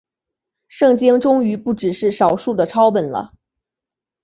圣经终于不只是少数的抄本了。